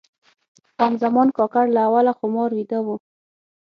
خان زمان کاکړ له اوله خمار ویده و.